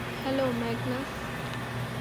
Hello, Magnus.